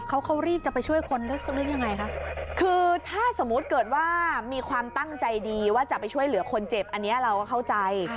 เขาเขารีบจะไปช่วยคนด้วยสำนึกยังไงคะคือถ้าสมมุติเกิดว่ามีความตั้งใจดีว่าจะไปช่วยเหลือคนเจ็บอันนี้เราก็เข้าใจ